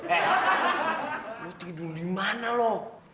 eh lu tidur dimana lo